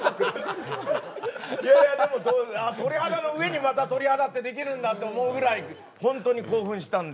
いやいやでも鳥肌の上にまた鳥肌って出来るんだと思うぐらいほんとに興奮したんで。